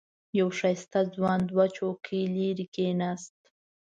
یو ښایسته ځوان دوه چوکۍ لرې کېناست.